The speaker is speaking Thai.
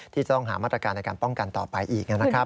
ที่จะต้องหามาตรการในการป้องกันต่อไปอีกนะครับ